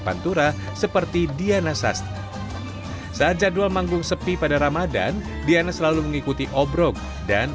pantura seperti diana sas saat jadwal manggung sepi pada ramadhan diana selalu mengikuti obrok dan